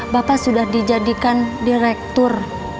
bapak sudah dijadikan direktur